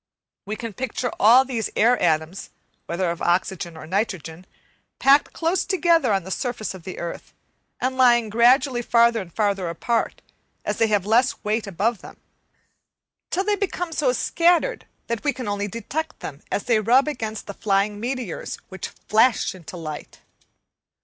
We can picture all these air atoms, whether of oxygen or nitrogen, packed close together on the surface of the earth, and lying gradually farther and farther apart, as they have less weight above them, till they become so scattered that we can only detect them as they rub against the flying meteors which flash into light.